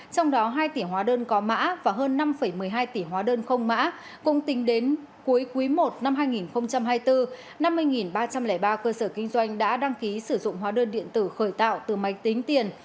trong đó hai tỷ hóa đơn có mã và hơn năm một mươi hai tỷ hóa đơn không mã cùng tính đến cuối quý i năm hai nghìn hai mươi bốn năm mươi ba trăm linh ba cơ sở kinh doanh đã đăng ký sử dụng hóa đơn điện tử khởi tạo từ máy tính tiền